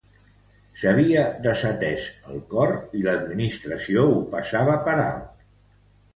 S'havia desatès el cor i l'administració ho passava per alt.